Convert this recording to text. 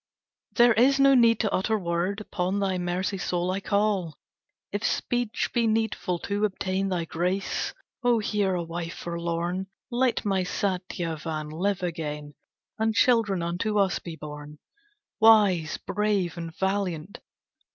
There is no need to utter word, Upon thy mercy sole, I call. If speech be needful to obtain Thy grace, oh hear a wife forlorn, Let my Satyavan live again And children unto us be born, Wise, brave, and valiant."